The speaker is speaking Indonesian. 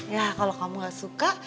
ya kalau kamu gak suka